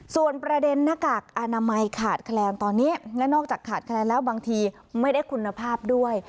ส่วนประเด็นหน้ากากอนามัยขาดแคลนตอนนี้และนอกจากขาดแคลนแล้วบางทีไม่ได้คุณภาพด้วย